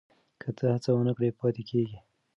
که ته هڅه ونه کړې پاتې کېږې.